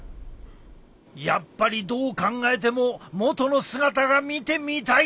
やっぱりどう考えても元の姿が見てみたい！